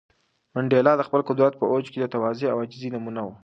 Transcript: منډېلا د خپل قدرت په اوج کې د تواضع او عاجزۍ نمونه و.